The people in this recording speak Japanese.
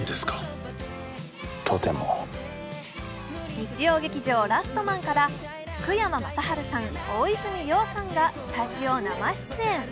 日曜劇場「ラストマン」から福山雅治さん、大泉洋さんがスタジオ生出演。